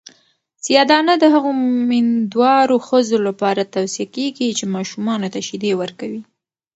سیاه دانه د هغو میندوارو ښځو لپاره توصیه کیږي چې ماشومانو ته شیدې ورکوي.